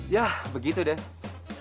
yah begitu deh